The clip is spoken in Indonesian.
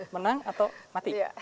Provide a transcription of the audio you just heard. menang atau mati